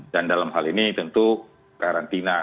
dan dalam hal ini tentu karantina